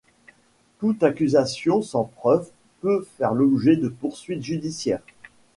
Toute accusation sans preuve peut faire l'objet de poursuites judiciaires.